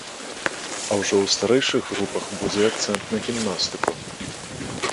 А ўжо ў старэйшых групах будзе акцэнт на гімнастыку.